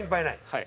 はい。